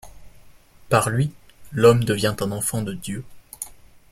Par lui, l'homme devient un enfant de Dieu.